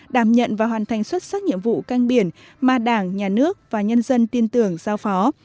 đảm nhận và hoàn thành xuất sắc nhiệm vụ căng biển mà đảng nhà nước và nhân dân tin tưởng giao phó